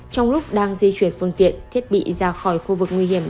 trong lúc đang di chuyển phương tiện thiết bị ra khỏi khu vực nguy hiểm